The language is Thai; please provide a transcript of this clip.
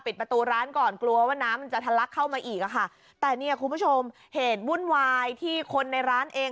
ประตูร้านก่อนกลัวว่าน้ำมันจะทะลักเข้ามาอีกอ่ะค่ะแต่เนี่ยคุณผู้ชมเหตุวุ่นวายที่คนในร้านเอง